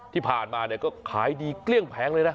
ที่ผ่านมาเนี่ยก็ขายดีเกลี้ยงแผงเลยนะ